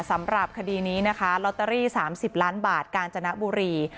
สำหรับคดีนี้นะคะลอตเตอรี่๓๐ล้านบาทกาญจนบุรี